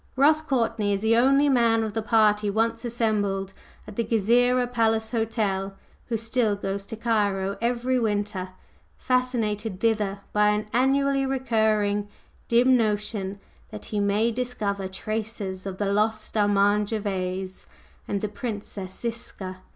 Ross Courtney is the only man of the party once assembled at the Gezireh Palace Hotel who still goes to Cairo every winter, fascinated thither by an annually recurring dim notion that he may "discover traces" of the lost Armand Gervase and the Princess Ziska.